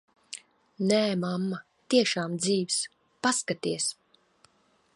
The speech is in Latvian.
Nē, mamma, tiešām dzīvs. Paskaties.